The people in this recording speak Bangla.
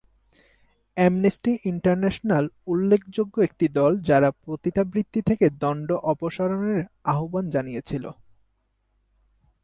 অ্যামনেস্টি ইন্টারন্যাশনাল উল্লেখযোগ্য একটি দল যারা পতিতাবৃত্তি থেকে দণ্ড অপসারণের আহ্বান জানিয়েছিল।